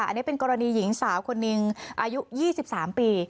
อันนี้เป็นกรณีหญิงสาวคนหนึ่งอายุ๒๓ปี